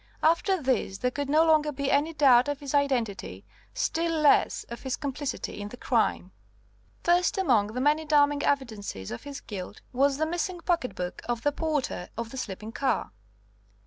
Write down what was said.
After this there could no longer be any doubt of his identity, still less of his complicity in the crime. First among the many damning evidences of his guilt was the missing pocketbook of the porter of the sleeping car.